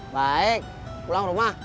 baik pulang rumah